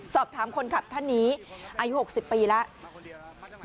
สอบถามคนขับท่านนี้อายุ๖๐ปีแล้ว